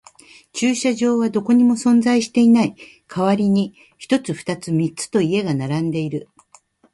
駐車場はどこにも存在していない。代わりに一つ、二つ、三つと家が並んでいる。